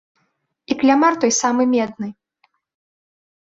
І клямар той самы медны!